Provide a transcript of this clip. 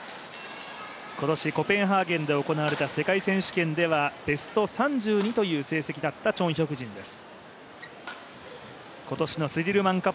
今年コペンハーゲンで行われた世界選手権ではベスト３２という数字だったチョン・ヒョクジンです。